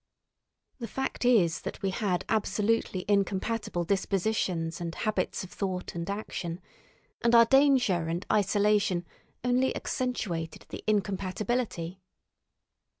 The fact is that we had absolutely incompatible dispositions and habits of thought and action, and our danger and isolation only accentuated the incompatibility.